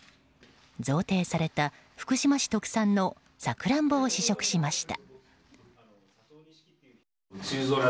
贈呈された福島市特産のサクランボを試食しました。